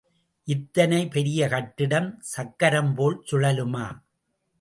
இத்தனை பெரிய கட்டிடம் சக்கரம்போல் சுழலுமா?